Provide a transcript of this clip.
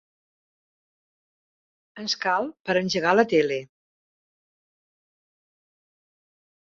Ens cal per engegar la tele.